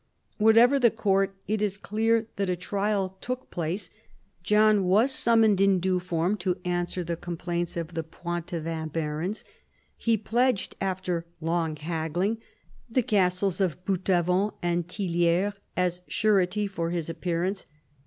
Whatever the court, it is clear that a trial took place. John was summoned in due form to answer the complaints of the Poitevin barons. He pledged, after long haggling, the castles of Boutavant and Tillieres as surety for his appearance.